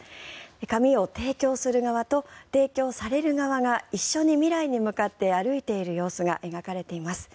髪を提供する側と提供される側が一緒に未来に向かって歩いている様子が描かれています。